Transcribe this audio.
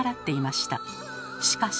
しかし。